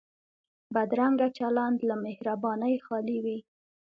بدرنګه چلند له مهربانۍ خالي وي